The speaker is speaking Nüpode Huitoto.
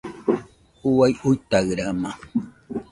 Uai uitaɨrama